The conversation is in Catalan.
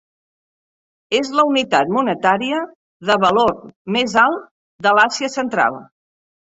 És la unitat monetària de valor més alt de l'Àsia Central.